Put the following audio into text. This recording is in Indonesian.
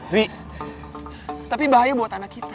ri tapi bahaya buat anak kita